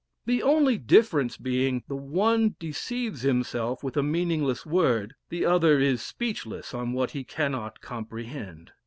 The only difference being, the one deceives himself with a meaningless word, the other is speechless on what he cannot comprehend.